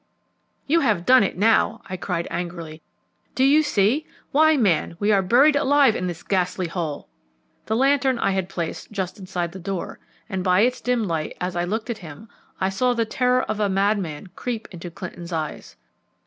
"You have done it now," I cried angrily. "Do you see? Why, man, we are buried alive in this ghastly hole!" The lantern I had placed just inside the door, and by its dim light, as I looked at him, I saw the terror of a madman creep into Clinton's eyes.